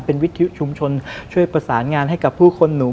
เป็นวิทยุชุมชนช่วยประสานงานให้กับผู้คนหนู